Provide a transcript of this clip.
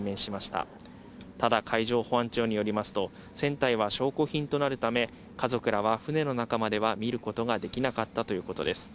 ただ、海上保安庁によりますと、船体は証拠品となるため、家族らは船の中までは見ることができなかったということです。